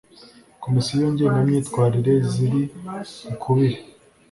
Komisiyo ngengamyitwarire ziri ukubiri